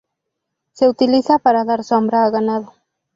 Se utiliza para dar sombra a ganado.